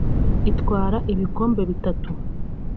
itwara ibikombe bitatu